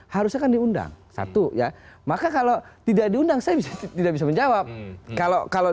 harusnya kan diundang satu ya maka kalau tidak diundang saya bisa tidak bisa menjawab kalau kalau